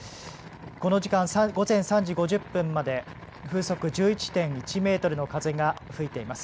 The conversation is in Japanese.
この時間、午前３時５０分まで風速１１．１メートルの風が吹いています。